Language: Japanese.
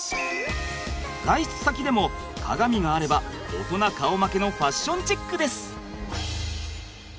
外出先でも鏡があれば大人顔負けのファッションチェックです。